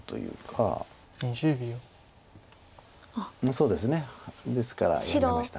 そうですねですからやめました。